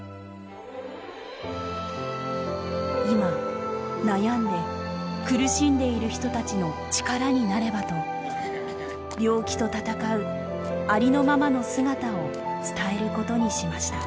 今悩んで苦しんでいる人たちの力になればと病気と闘うありのままの姿を伝えることにしました。